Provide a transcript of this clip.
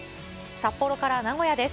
札幌から名古屋です。